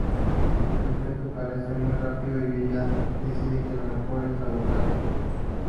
El feto crece muy rápido y ella decide que lo mejor es abortar.